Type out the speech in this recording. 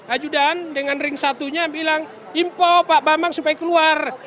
ajudan dengan ring satunya bilang impo pak bambang supaya keluar